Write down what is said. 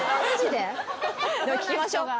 でも聞きましょう。